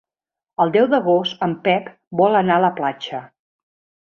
El deu d'agost en Pep vol anar a la platja.